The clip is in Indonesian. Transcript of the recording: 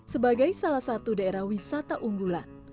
sebagai salah satu daerah wisata unggulan